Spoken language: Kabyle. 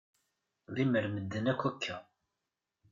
Lemmer medden akk akka.